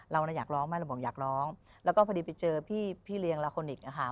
เราน่ะอยากร้องไหมเราบอกอยากร้องแล้วก็พอดีไปเจอพี่เลี้ยงลาโคนิคอะค่ะ